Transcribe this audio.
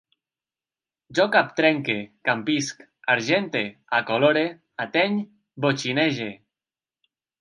Jo captrenque, campisc, argente, acolore, ateny, botxinege